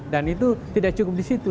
dan itu tidak cukup di situ